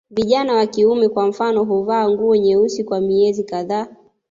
Vijana wa kiume kwa mfano huvaa nguo nyeusi kwa miezi kadhaa